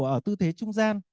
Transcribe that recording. ở tư thế trung gian